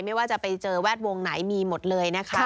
ไม่ว่าจะไปเจอแวดวงไหนมีหมดเลยนะคะ